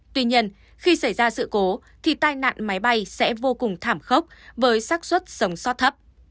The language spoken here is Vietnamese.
tuy nhiên khi xảy ra sự cố thì tai nạn máy bay sẽ vô cùng thảm khốc với sắc xuất sống sót thấp